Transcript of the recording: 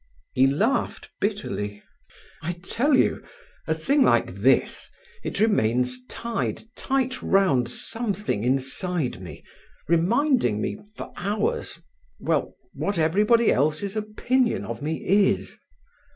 He laughed bitterly. "I tell you—a little thing like this—it remains tied tight round something inside me, reminding me for hours—well, what everybody else's opinion of me is."